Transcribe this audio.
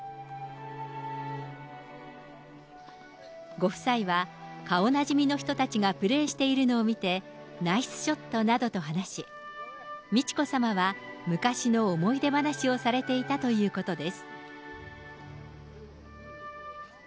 ご夫妻は顔なじみの人たちがプレーしているのを見て、ナイスショットなどと話し、美智子さまは昔の思い出話をされていたということです。